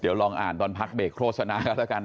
เดี๋ยวลองอ่านตอนพักเบรกโฆษณากันแล้วกัน